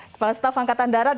kepala staf angkatan darat